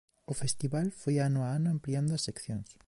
O festival foi ano a ano ampliando as seccións.